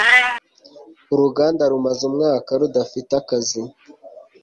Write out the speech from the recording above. Uruganda rumaze umwaka rudafite akazi.